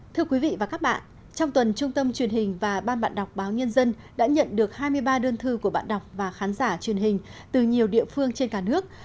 thưa quý vị và các bạn trong tuần trung tâm truyền hình và ban bạn đọc báo nhân dân đã nhận được hai mươi ba đơn thư của bạn đọc và khán giả truyền hình từ nhiều địa phương trên cả nước